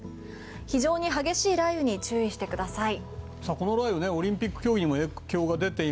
非常に激しい雷雨に注意してください。